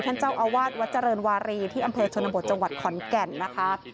ท่านเจ้าอาวาสวัดเจริญวารีที่อำเภอชนบทจังหวัดขอนแก่นนะคะ